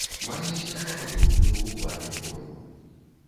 Мае серпападобную ў плане форму.